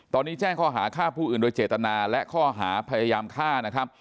ตอนนี้แจ้งข้อหาฆ่าผู้อื่นโดยเจตนาและข้อหาพยายามฆ่านะครับ